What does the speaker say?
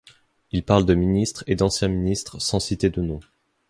Il parle de ministres et d’anciens ministres sans citer de nom.